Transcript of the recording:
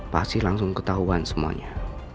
pasti langsung ketahuan semuanya